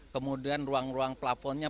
kemudian ruang ruang plafonnya